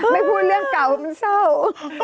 ไม่พูดเรื่องเก่ามันเศร้า